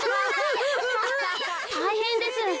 たいへんです。